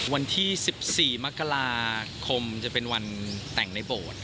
วันที่๑๔มกราคมจะเป็นวันแต่งในโบสถ์